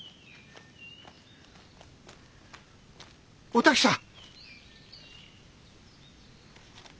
お滝さん！